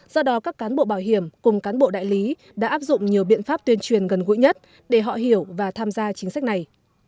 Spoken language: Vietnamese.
do đó các cán bộ bảo hiểm cùng cán bộ đại lý đã áp dụng nhiều biện pháp tuyên truyền gần gũi nhất để họ hiểu và tham gia chính sách này